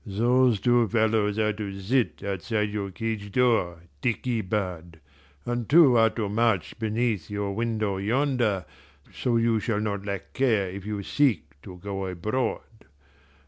"Those two fellows are to sit outside your cage door, dickey bird, and two are to march beneath your window yonder, so you shall not lack care if you seek to go abroad.